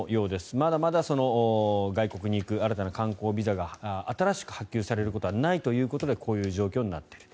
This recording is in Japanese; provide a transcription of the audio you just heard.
まだまだ外国に行く新たな観光ビザが新しく発給されることはないということでこういう状況になっている。